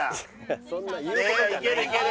ねえいけるいける。